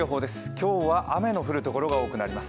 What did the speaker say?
今日は雨の降るところが多くなります。